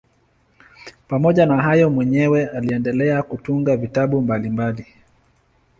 Pamoja na hayo mwenyewe aliendelea kutunga vitabu mbalimbali.